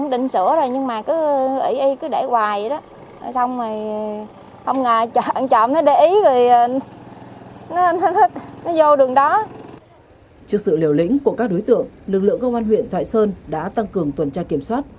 trước sự liều lĩnh của các đối tượng lực lượng công an huyện thoại sơn đã tăng cường tuần tra kiểm soát